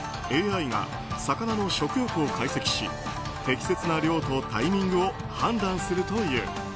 ＡＩが魚の食欲を解析し適切な量とタイミングを判断するという。